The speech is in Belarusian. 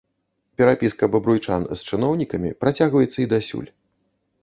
Перапіска бабруйчан з чыноўнікамі працягваецца і дасюль.